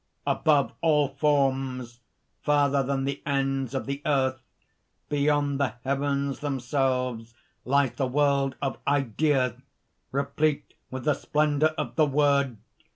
_) "Above all forms, further than the ends of the earth, beyond the heavens themselves, lies the world of Idea, replete with the splendor of the Word!